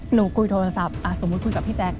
หนูคุยโทรศัพท์สมมุติคุยกับพี่แจ๊ค